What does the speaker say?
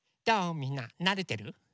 みんななれてる？